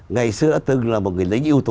ngày xưa đã từng là một người lính ưu tú